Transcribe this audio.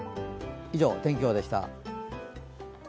以上、天気予報でした。